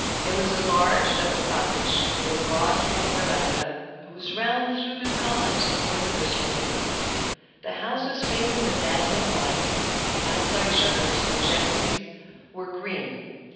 It was a large, double cottage, with a broad front veranda, whose round, fluted columns supported the sloping roof. The house was painted a dazzling white; the outside shutters, or jalousies, were green.